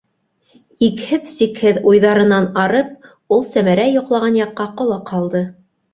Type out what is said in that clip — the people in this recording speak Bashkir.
Икһеҙ-сикһеҙ уйҙарынан арып, ул Сәмәрә йоҡлаған яҡҡа ҡолаҡ һалды.